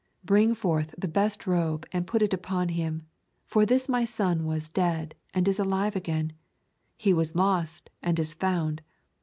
. Bring forth the best robe and put it upon him, for this my son was dead, and is alive again; he was lost, and is found